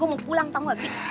gue mau pulang tau gak sih